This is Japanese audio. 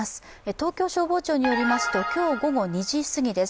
東京消防庁によりますと今日午後２時すぎです。